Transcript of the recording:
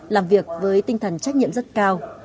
làm việc với tinh thần trách nhiệm rất cao